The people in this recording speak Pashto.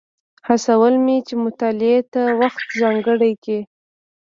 هڅول مې چې مطالعې ته وخت ځانګړی کړي.